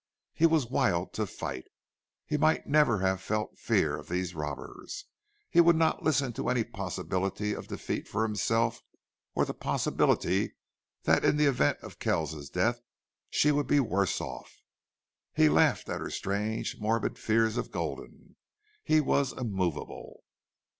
He was wild to fight. He might never have felt fear of these robbers. He would not listen to any possibility of defeat for himself, or the possibility that in the event of Kells's death she would be worse off. He laughed at her strange, morbid fears of Gulden. He was immovable.